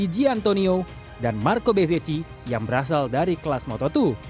iji antonio dan marco bezechi yang berasal dari kelas moto dua